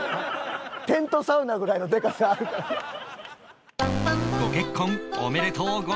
テントサウナぐらいのでかさあるから。